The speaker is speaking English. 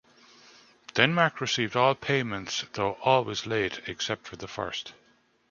Denmark received all payments, though always late except for the first.